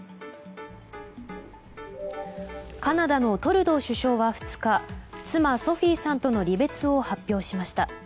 カナダのトルドー首相は２日妻ソフィーさんとの離別を発表しました。